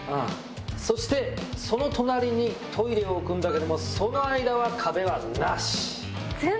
そしてその隣にトイレを置くんだけどもその間は壁はなし。